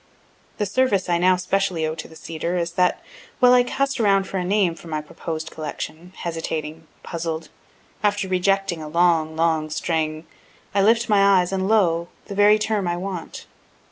The service I now specially owe to the cedar is, while I cast around for a name for my proposed collection, hesitating, puzzled after rejecting a long, long string, I lift my eyes, and lo! the very term I want.